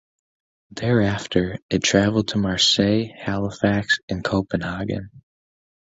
Thereafter it travelled to Marseille, Halifax and Copenhagen.